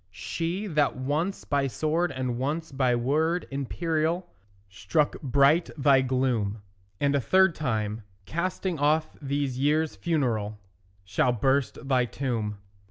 She that once by sword and once by word imperial Struck bright thy gloom; And a third time, casting off these years funereal, Shall burst thy tomb.